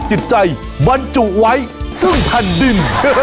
จิตใจบรรจุไว้ซึ่งแผ่นดิน